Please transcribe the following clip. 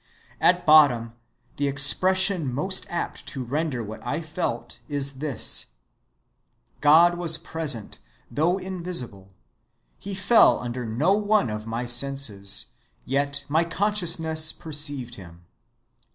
At bottom the expression most apt to render what I felt is this: God was present, though invisible; he fell under no one of my senses, yet my consciousness perceived him."